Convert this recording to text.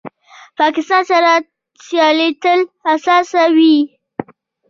پاکستان سره سیالي تل حساسه وي.